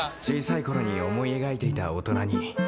「小さい頃に思い描いていた大人に」